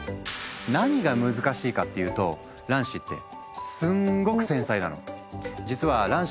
何が難しいかっていうと卵子ってすんごく繊細なの。